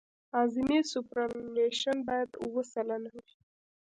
اعظمي سوپرایلیویشن باید اوه سلنه وي